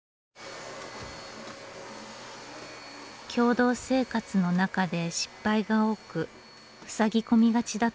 共同生活の中で失敗が多くふさぎ込みがちだといいます。